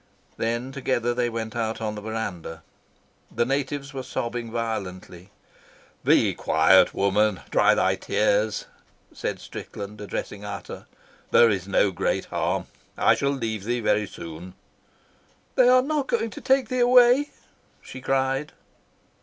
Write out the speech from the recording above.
Then together they went out on the verandah. The natives were sobbing violently. "Be quiet, woman. Dry thy tears," said Strickland, addressing Ata. "There is no great harm. I shall leave thee very soon." "They are not going to take thee away?" she cried.